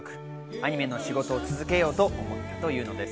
アニメの仕事を続けようというのです。